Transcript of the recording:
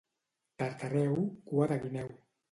Tartareu, cua de guineu.